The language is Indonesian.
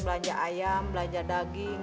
belanja ayam belanja daging